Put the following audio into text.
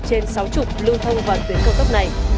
trên sáu mươi lưu thông toàn tuyến cao tốc này